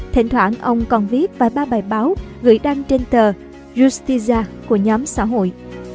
thỉnh thoảng ông còn viết vài ba bài báo gửi đăng trên tờ justiza của nhóm xã hội